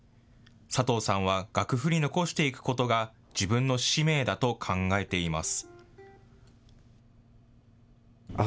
佐藤さんは楽譜に残していくことが自分の使命だと考えています。